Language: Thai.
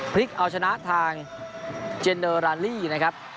พลิกเอาชนะทางเจนเดอร์ราลี่นะครับ